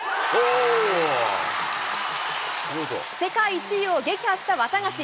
世界１位を撃破したワタガシ。